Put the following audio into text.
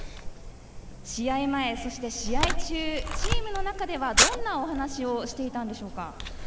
試合前、そして試合中チームの中ではどんなお話をしていたんでしょうか。